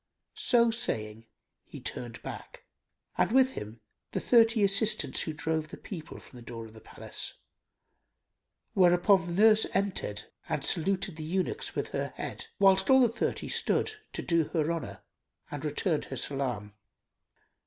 So saying, he turned back, and with him the thirty assistants who drove the people from the door of the palace; whereupon the nurse entered and saluted the eunuchs with her head, whilst all the thirty stood to do her honour and returned her salam.